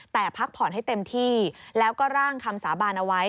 แต่พักผ่อนให้เต็มที่แล้วก็ร่างคำสาบานเอาไว้